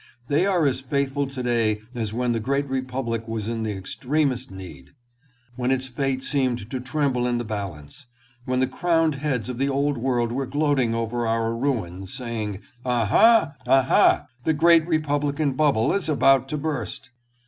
They are as faithful to day as when the great Republic was in the extremest need ; when its fate seemed to tremble in the balance ; when the crowned heads of the Old World were gloating over our ruin, saying, " Aha ! aha ! the great Republican bubble is about to burst."